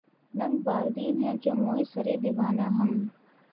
ننگ بالیدن ہیں جوں موئے سرِ دیوانہ ہم